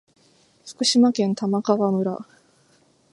福島県玉川村